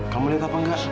kamu liat apa enggak